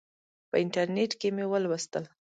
په انټرنیټ کې مې ولوستل.